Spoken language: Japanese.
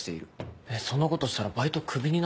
えっそんなことしたらバイトクビになんじゃん。